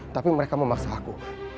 tapi mereka memaksa aku